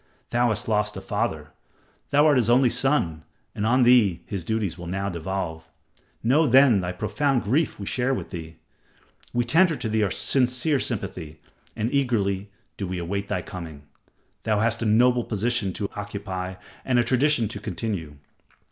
Thou hast lost a father. Thou art his only son, and on thee his duties will now devolve. Know then thy profound grief we share with thee. We tender to thee our sincere sympathy, and eagerly do we await thy coming. Thou hast a noble position to occupy and a tradition to continue.